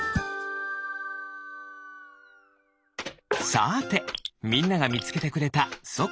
さてみんながみつけてくれたそっ